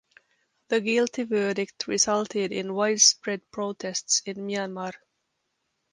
The guilty verdict resulted in widespread protests in Myanmar.